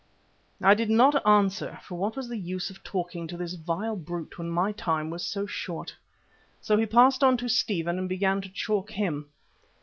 I did not answer, for what was the use of talking to this vile brute when my time was so short. So he passed on to Stephen and began to chalk him.